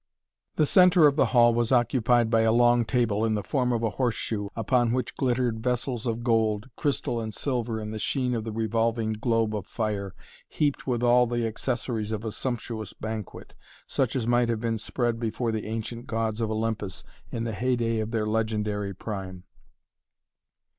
The centre of the hall was occupied by a long table in the form of a horseshoe, upon which glittered vessels of gold, crystal and silver in the sheen of the revolving globe of fire, heaped with all the accessories of a sumptuous banquet, such as might have been spread before the ancient gods of Olympus in the heyday of their legendary prime.